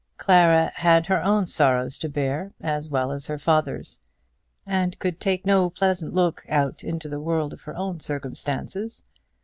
Clara had her own sorrows to bear as well as her father's, and could take no pleasant look out into the world of her own circumstances.